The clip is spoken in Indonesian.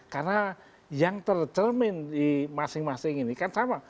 karena yang tercermin di masing masing ini kan sama